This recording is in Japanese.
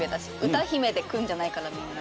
歌姫でくるんじゃないかなみんな。